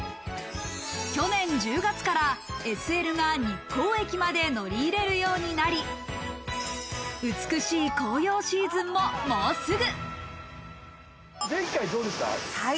去年１０月からＳＬが日光駅まで乗り入れるようになり、美しい紅葉シーズンももうすぐ。